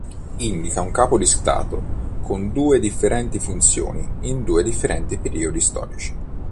Indica un capo di Stato, con due differenti funzioni in due differenti periodi storici.